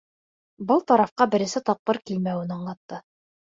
Был тарафҡа беренсе тапҡыр килмәүен аңлатты.